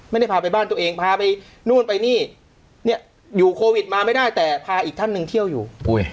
ไม่ได้พาไปบ้านตัวเองพาไปนู่นไปนี่เนี่ยอยู่โควิดมาไม่ได้แต่พาอีกท่านหนึ่งเที่ยวอยู่